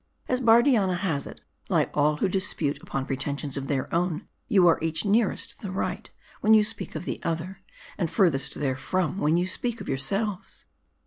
As Bardianna has it, like all who dispute upon pretensions of their own, you are each nearest the right, when you speak of the other ; and furthest therefrom, when you speak of your selves."